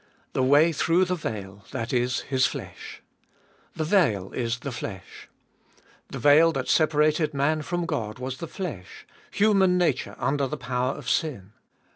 The way through the veil, that is, His flesh. The veil is the flesh. The veil that separated man from God was the flesh, human nature under the power of sin.